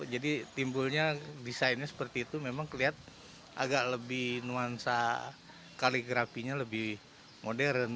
jadi timbulnya desainnya seperti itu memang kelihatan agak lebih nuansa kaligrafinya lebih modern